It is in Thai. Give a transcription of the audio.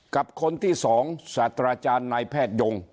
กับคนที่สองสาธาราชาณนายแพทยง